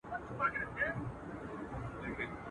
ستا پر لوري د اسمان سترګي ړندې دي.